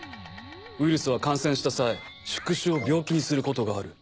ウイルスは感染した際宿主を病気にすることがある。